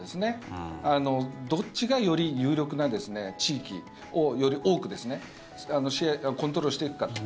どっちがより有力な地域をより多くコントロールしていくかと。